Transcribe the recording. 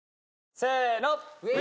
せの。